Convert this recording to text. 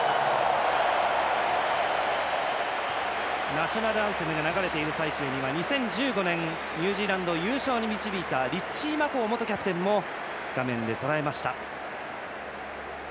ナショナルアンセムが流れている最中には２０１５年、ニュージーランドを優勝に導いたリッチー・マコー元キャプテンも画面でとらえました。